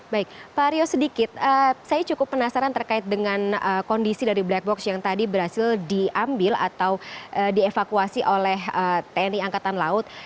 baik pak rio sedikit saya cukup penasaran terkait dengan kondisi dari black box yang tadi berhasil diambil atau dievakuasi oleh tni angkatan laut